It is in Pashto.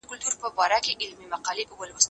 زه اوږده وخت سندري اورم وم!.